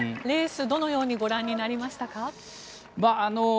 レース、どのようにご覧になりましたか？